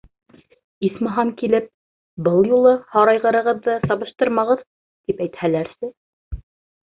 Исмаһам, килеп: «Был юлы һарайғырығыҙҙы сабыштырмағыҙ!» - тип әйтһәләрсе...